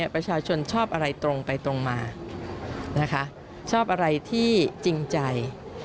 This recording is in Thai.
ประชาชนชอบอะไรตรงมาชอบอะไรที่จริงใจ